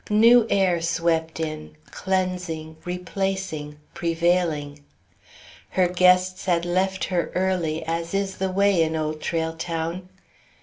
New air swept in, cleansing, replacing, prevailing. Her guests had left her early, as is the way in Old Trail Town.